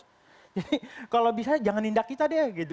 jadi kalau bisa jangan indah kita deh